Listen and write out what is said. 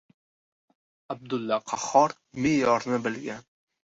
Abdulla Qahhor me’yorni bilgan.